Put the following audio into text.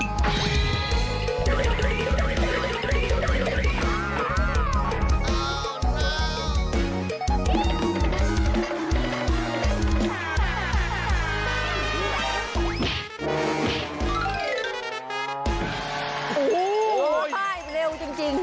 โอ้โฮโอ้โฮค่ะเร็วจริง